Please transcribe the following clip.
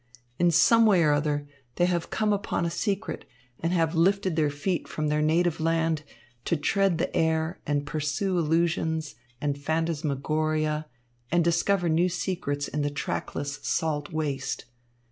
In some way or other they have come upon a secret and have lifted their feet from their native land to tread the air and pursue illusions and phantasmagoria and discover new secrets in the trackless salt waste.